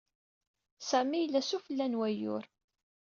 Sami yella sufella n wayyur.